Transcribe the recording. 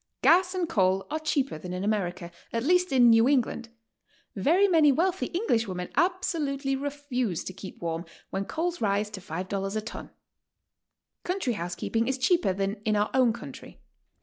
Gas and coal are cheaper than in America, at least in New England; very many wealthy English women absolutely refuse to keep warm when coals rise to $5 a ton. Country housekeeping is cheaper than in our own country.